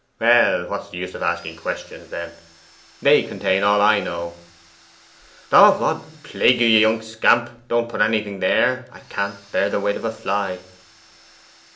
'Well, what's the use of asking questions, then? They contain all I know. Ugh h h!...Od plague you, you young scamp! don't put anything there! I can't bear the weight of a fly.